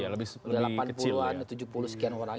lebih kecil sudah delapan puluh an tujuh puluh sekian orang